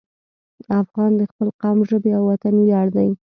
افغان د خپل قوم، ژبې او وطن ویاړ دی.